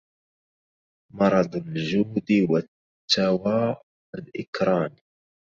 مرض الجود والتوى الإكرام